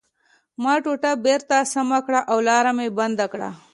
ما ټوټه بېرته سمه کړه او لاره مې بنده کړه